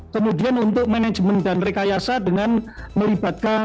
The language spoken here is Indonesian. kemudian untuk manajemen dan rekayasa dengan melibatkan